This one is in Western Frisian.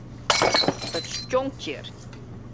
It stjonkt hjir.